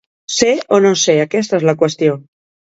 Ser o no ser, aquesta és la qüestió.